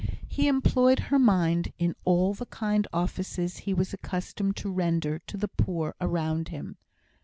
He employed her mind in all the kind offices he was accustomed to render to the poor around him.